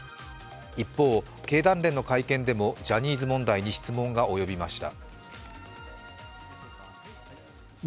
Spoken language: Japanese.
一方、経団連の会見でもジャニーズ問題に質問が及びました。